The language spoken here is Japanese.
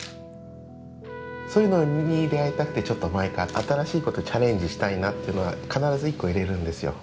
そういうのに出会いたくてちょっと毎回新しいことチャレンジしたいなというのは必ず１個入れるんですよ。